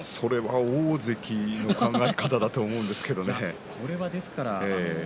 それは大関の考え方だと思うんですけれどもね